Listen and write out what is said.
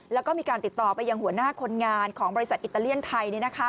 แล้วก็มีการติดต่อไปยังหัวหน้าคนงานของบริษัทอิตาเลียนไทย